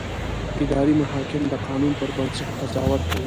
اداري محاکم د قانون پر بنسټ قضاوت کوي.